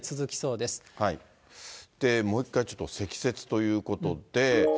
で、もう一回ちょっと積雪ということで。